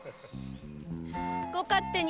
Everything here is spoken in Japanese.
ご勝手に。